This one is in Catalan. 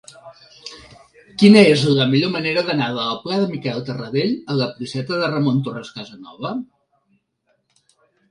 Quina és la millor manera d'anar del pla de Miquel Tarradell a la placeta de Ramon Torres Casanova?